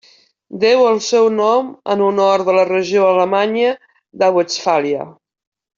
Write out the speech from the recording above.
Deu el seu nom en honor a la regió alemanya de Westfàlia.